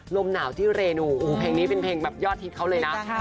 ลมหนาวที่เรนูเพลงนี้เป็นเพลงแบบยอดฮิตเขาเลยนะ